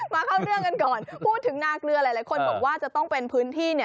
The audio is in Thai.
มาเข้าเรื่องกันก่อนพูดถึงนาเกลือหลายคนบอกว่าจะต้องเป็นพื้นที่เนี่ย